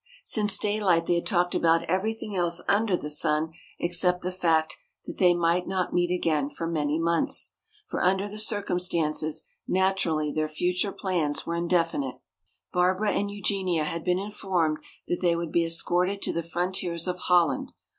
Since daylight they had talked about everything else under the sun except the fact that they might not meet again for many months. For under the circumstances naturally their future plans were indefinite. Barbara and Eugenia had been informed that they would be escorted to the frontiers of Holland.